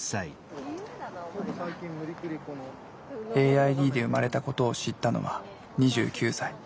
ＡＩＤで生まれたことを知ったのは２９歳。